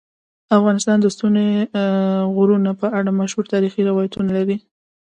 افغانستان د ستوني غرونه په اړه مشهور تاریخی روایتونه لري.